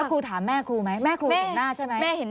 ครูถามแม่ครูไหมแม่ครูเห็นหน้าใช่ไหม